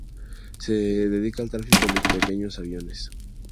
Se dedica al tráfico de pequeños aviones.